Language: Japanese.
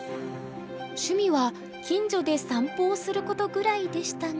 趣味は近所で散歩をすることぐらいでしたが。